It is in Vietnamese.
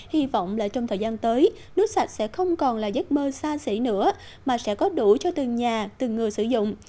hy vọng là trong thời gian tới nước sạch sẽ không còn là giấc mơ xa xỉ nữa mà sẽ có đủ cho từng nhà từng người sử dụng